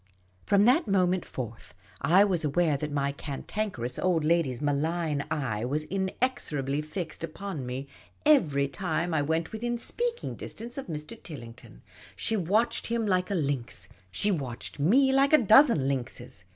From that moment forth, I was aware that my Cantanker ous Old lyady's malign eye was inexorably fixed upon me every time I went within speaking distance of Mr. Tilling ton, She watched him like a lynx. She watched fne like a dozen lynxes.